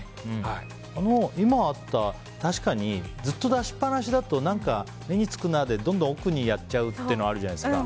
今あったように確かにずっと出しっぱなしだと目につくなでどんどん奥にやっちゃうというのがあるじゃないですか。